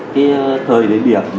cái thời điểm